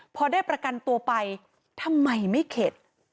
พอได้ประกันตัวไปทำไมไม่เข็ด